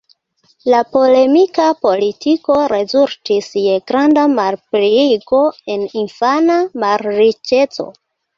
La polemika politiko rezultis je granda malpliigo en infana malriĉeco.